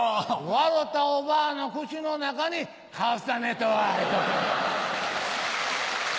笑うたおばあの口の中にカスタネットが入っとったんや。